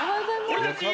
俺たち。